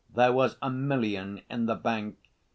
There was a million in the bank.